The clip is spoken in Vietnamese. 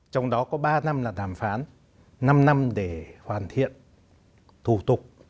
trong đó có ba năm là đàm phán năm năm để hoàn thiện thủ tục